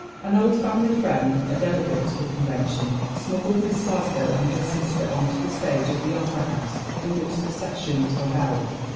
An old family friend, a ELLEN GLASGOW 25 delegate to the convention, smuggled Miss Glasgow and her sister on to the stage of the opera house in which the sessions were held.